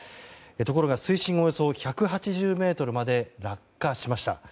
ところが水深およそ１８０ｍまで落下しました。